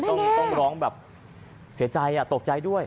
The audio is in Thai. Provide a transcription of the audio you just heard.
ต้องร้องแบบเสียใจตกใจด้วย